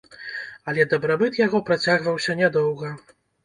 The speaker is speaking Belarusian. Але дабрабыт яго працягваўся нядоўга.